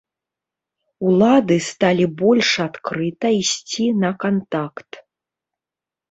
Улады сталі больш адкрыта ісці на кантакт.